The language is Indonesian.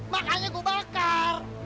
makanya gue bakar